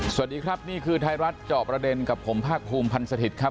สวัสดีครับนี่คือไทยรัฐจอบประเด็นกับผมภาคภูมิพันธ์สถิตย์ครับ